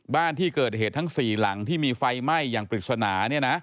บ้านที่เกิดเหตุทั้ง๔หลังที่มีไฟไหม้อย่างปริศนา